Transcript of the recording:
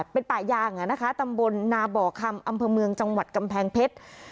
เป็นป่ายางตำบลนาบ่อคำอำเภอเมืองจังหวัดกำแพงเพชร